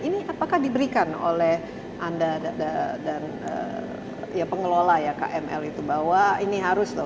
ini apakah diberikan oleh anda dan ya pengelola ya kml itu bahwa ini harus loh